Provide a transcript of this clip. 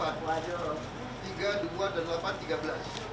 karena itu perangan dulu